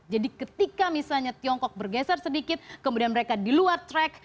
jadi ketika misalnya tiongkok bergeser sedikit kemudian mereka di luar track